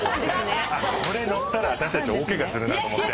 これのったら私たち大ケガするなと思って。